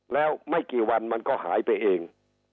แล้วไม่กี่วันมันก็หายไปเอง